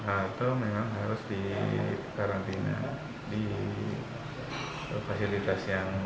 atau memang harus dikarantina di fasilitasnya